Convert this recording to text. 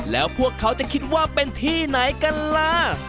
แล้วพวกเขาจะคิดว่าเป็นที่ไหนกันล่ะ